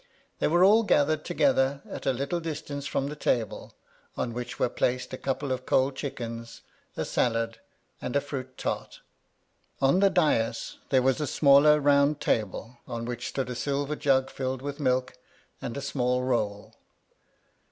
They were all gathered together at a little distance from the table, on which were placed a couple of cold chickens, a salad, and a fruit tart. On the dais there was a smaller round table, on which stood a silver jug filled with milk, and a small roll.